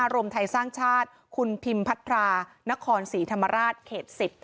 รวมไทยสร้างชาติคุณพิมพัทรานครศรีธรรมราชเขต๑๐